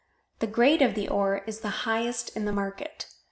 The grade of the ore is the highest in the market.